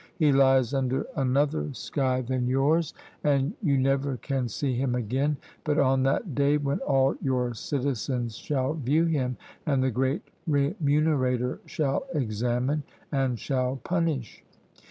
He lies under another sky than yours, and you never can see him again, but on that day, when all your citizens shall view him, and the great Remunerator shall examine, and shall punish!